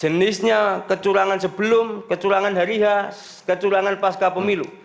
jenisnya kecurangan sebelum kecurangan hari h kecurangan pasca pemilu